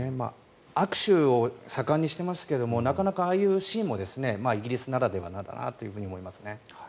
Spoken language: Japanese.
握手を盛んにしていますけれどもなかなかああいうシーンもイギリスならではだなと思いますね。